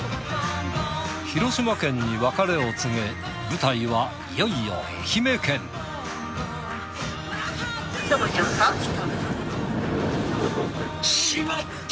広島県に別れを告げ舞台はいよいよ愛媛県。しまった！